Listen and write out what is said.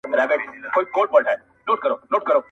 له لمبو يې تر آسمانه تلل دودونه-